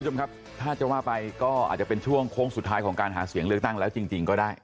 คุณผู้ชมครับถ้าจะว่าไปก็อาจจะเป็นช่วงโค้งสุดท้ายของการหาเสียงเลือกตั้งแล้วจริงก็ได้